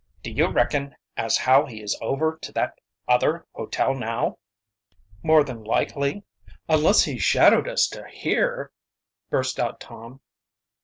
Do you reckon as how he is over to that other hotel now?" "More than likely." "Unless he shadowed us to here," burst out Tom.